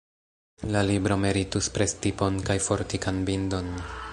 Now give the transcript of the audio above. La libro meritus prestipon kaj fortikan bindon.